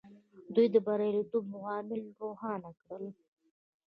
دوی د بریالیتوب عوامل روښانه کړل.